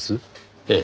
ええ。